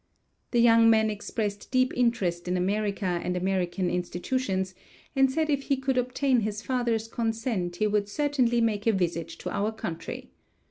The young man expressed deep interest in America and American institutions, and said if he could obtain his father's consent he would certainly make a visit to our country.